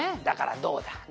「だからどうだ。